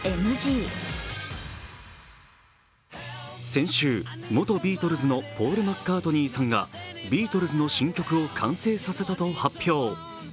先週、元ビートルズのポール・マッカートニーさんがビートルズの新曲を完成させたと発表。